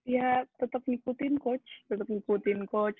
ya tetap ngikutin coach tetap ngikutin coach